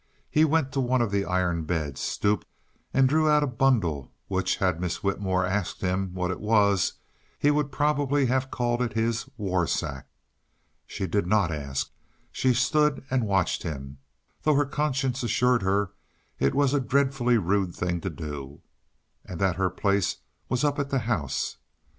He went to one of the iron beds, stooped and drew out a bundle which, had Miss Whitmore asked him what it was, he would probably have called his "war sack." She did not ask; she stood and watched him, though her conscience assured her it was a dreadfully rude thing to do, and that her place was up at the house.